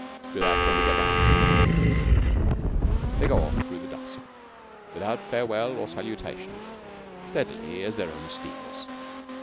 ''Do that when we get around to it.' They go off through the dusk, without farewell or salutation steadily as their own steers.